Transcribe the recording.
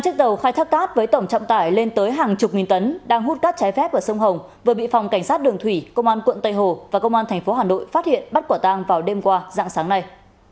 hai chiếc tàu khai thác cát với tổng trọng tải lên tới hàng chục nghìn tấn đang hút cát trái phép ở sông hồng vừa bị phòng cảnh sát đường thủy công an quận tây hồ và công an tp hà nội phát hiện bắt quả tang vào đêm qua dạng sáng nay